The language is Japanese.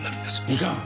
いかん！